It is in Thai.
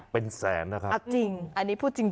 เป็นแสนนะครับเอาจริงอันนี้พูดจริง